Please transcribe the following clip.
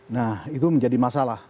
nah itu menjadi masalah